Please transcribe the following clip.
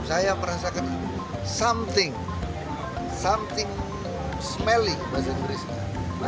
saya merasakan something something smelling bahasa inggrisnya